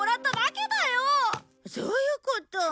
そういうこと。